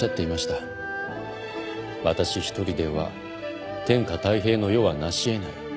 「私一人では天下泰平の世はなし得ない」